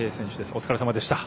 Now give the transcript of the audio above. お疲れさまでした。